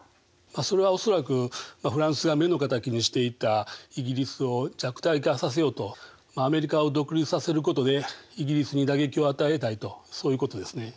それは恐らくフランスが目の敵にしていたイギリスを弱体化させようとアメリカを独立させることでイギリスに打撃を与えたいとそういうことですね。